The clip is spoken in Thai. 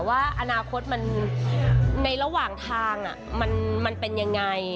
ว่าอนาคตมันในระหว่างทางมันเป็นยังไง